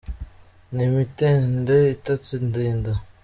Ni imitende itatse indinda.